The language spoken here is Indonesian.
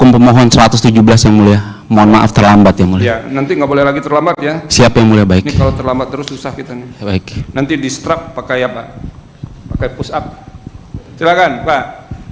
pakai push up silakan pak